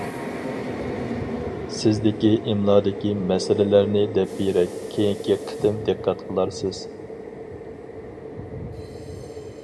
سىزدىكى ئىملادىكى مەسىلىلەرنى دەپ بېرەي، كېيىنكى قېتىم دىققەت قىلارسىز.